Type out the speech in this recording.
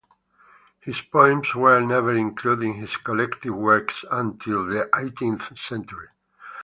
His poems were never included in his collected works until the eighteenth century.